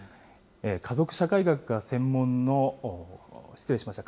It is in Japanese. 家族社会学が専門の失礼しました、